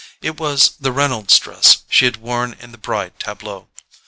It was the Reynolds dress she had worn in the Bry TABLEAUX.